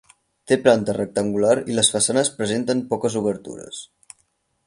Té planta rectangular i les façanes presenten poques obertures.